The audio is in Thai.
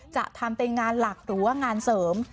จะทำเป็นงานหลักหรือว่างานเสริม